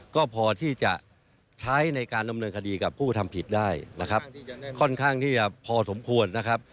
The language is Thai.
ก็พอที่จะใช้ในการดำเนินคดีกับผู้กระทำผิดได้นะครับค่อนข้างที่จะพอสมควรนะครับ